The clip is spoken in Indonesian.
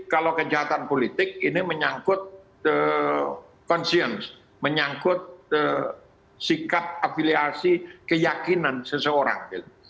kalau kejahatan politik ini menyangkut conce menyangkut sikap afiliasi keyakinan seseorang